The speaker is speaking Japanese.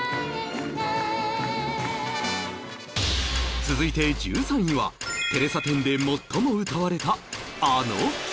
続いて１３位はテレサ・テンで最も歌われたあの曲